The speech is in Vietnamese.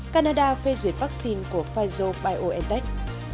canada phê duyệt vaccine của pfizer biontech